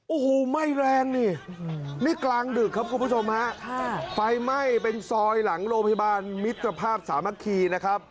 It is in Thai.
โอ้โหไหม้แรงนี่นี่กลางดึกครับคุณผู้ชมฮะไฟไหม้เป็นซอยหลังโรงพยาบาลมิตรภาพสามัคคีนะครับ